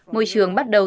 môi trường bắt đầu